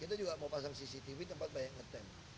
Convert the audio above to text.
kita juga mau pasang cctv tempat banyak ngetem